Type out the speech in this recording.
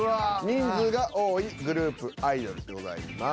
「人数が多いグループアイドル」でございます。